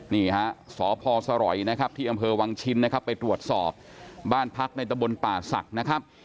นี่ฮะสพสรยนะครับที่อำเภอวังชิ้นนะครับไปตรวจสอบบ้านพักในตะบนป่าศักดิ์นะครับ